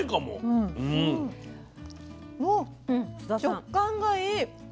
食感がいい。